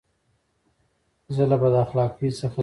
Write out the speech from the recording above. زه له بداخلاقۍ څخه ځان ساتم.